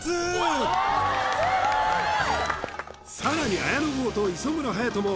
さらに綾野剛と磯村勇斗も